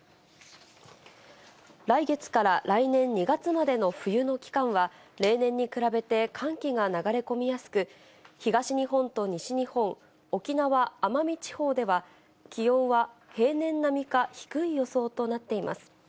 来月から来年２月までの冬の期間は、例年に比べて寒気が流れ込みやすく、東日本と西日本、沖縄・奄美地方では、気温は平年並みか低い予想となっています。